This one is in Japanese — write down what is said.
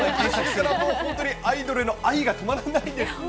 本当にアイドルへの愛が止まらないんですね。